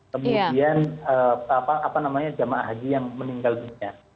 kemudian apa namanya jemaah haji yang meninggal dunia